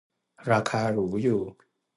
ราคาหรูอยู่